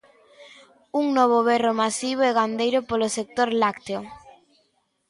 Un novo berro masivo e gandeiro polo sector lácteo.